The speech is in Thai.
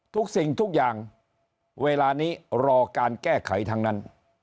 ทุกสิ่งทุกอย่างเวลานี้รอการแก้ไขทั้งนั้น